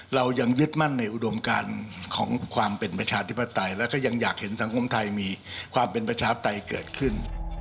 เรายังยึดมั่นในอุดมการของความเป็นประชาธิปไตยแล้วก็ยังอยากเห็นสังคมไทยมีความเป็นประชาปไตยเกิดขึ้น